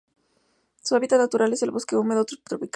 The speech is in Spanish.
Su hábitat natural es el bosque húmedo subtropical.